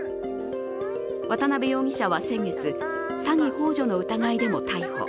渡邊容疑者は先月、詐欺ほう助の疑いでも逮捕。